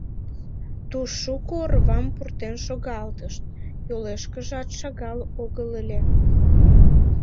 Туш шуко орвам пуртен шогалтышт, йолешкыжат шагал огыл ыле.